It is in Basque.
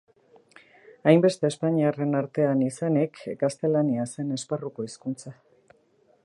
Hainbeste espainiarren artean izanik, gaztelania zen esparruko hizkuntza.